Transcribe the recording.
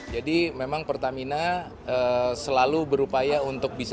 jadi memang pertamina selalu berupaya untuk bisa